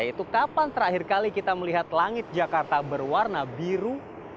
yaitu kapan terakhir kali kita melihat langit jakarta berwarna biru